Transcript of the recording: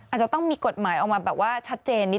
อาจจะต้องมีกฎหมายออกมาแบบว่าชัดเจนนิด